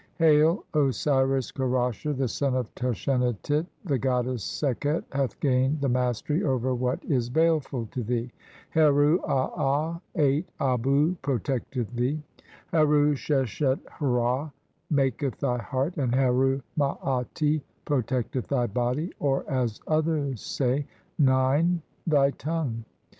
"[Hail] Osiris Kerasher, the son of Tashenatit, the "goddess Sekhet hath gained the mastery over what "is baleful to thee, Heru aa (8)abu protecteth thee, "Heru seshet hra meiketh thy heart, and Heru maati "protecteth thy body", or as others say, (9) "thy tongue.